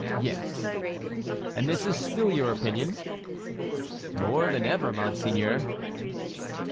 "Yes." "And this is still your opinion?" "More than ever, monseigneur."